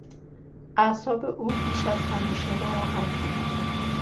اعصاب او بیش از همیشه ناراحت بود.